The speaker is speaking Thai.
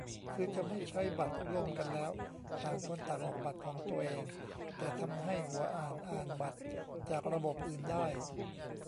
คือจะไม่ใช้บัตรร่วมกันแล้ว ต่างคนต่างออกบัตรของตัวเอง แต่ทำให้หัวอ่านอ่านบัตรจากระบบอื่นได้